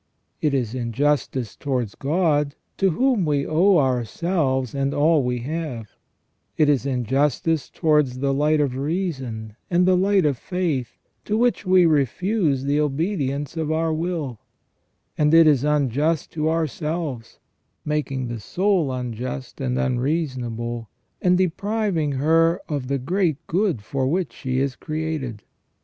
It is injustice towards God, to whom we owe ourselves and all we have : it is injustice towards the light of reason and the light of faith to which we refuse the obedience of our will ; and it is unjust to ourselves, making the soul unjust and unreasonable, and de priving her of the great good for which she is created.